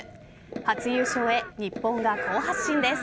初優勝へ日本が好発進です。